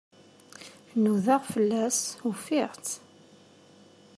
Nudaɣ fell-as, ufiɣ-itt.